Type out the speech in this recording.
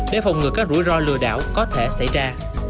để phòng ngừa các rủi ro lừa đảo có thể xảy ra